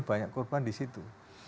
banyak korban disitu